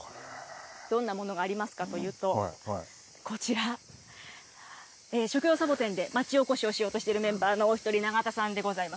どんなものがありますかというと、こちら、食用サボテンで町おこしをしようとしているメンバーのお一人、永田さんでございます。